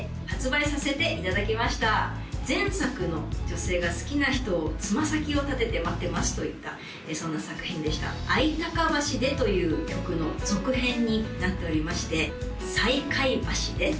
発売させていただきました前作の女性が好きな人をつま先を立てて待ってますといったそんな作品でした「あいたか橋で」という曲の続編になっておりまして「再会橋で」